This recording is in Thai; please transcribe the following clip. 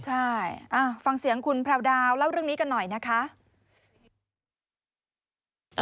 ใช่ฟังเสียงคุณแพรวดาวเล่าเรื่องนี้กันหน่อยนะคะ